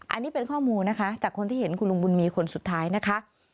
อันนี้เป็นข้อมูลนะคะจากคนที่เห็นคุณลุงบุญมีคนสุดท้ายนะคะ